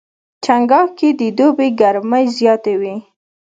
چنګاښ کې د دوبي ګرمۍ زیاتې وي.